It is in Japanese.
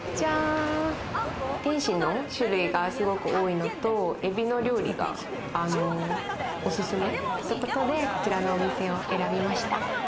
点心の種類がすごく多いのと、エビの料理がおすすめっていうことで、こちらのお店を選びました。